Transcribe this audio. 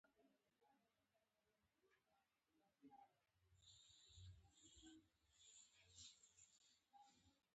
د عبرت لپاره بیان شوي.